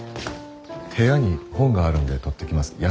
部屋に本があるんで取ってきます。